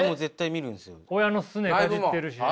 親のすねかじってるしね。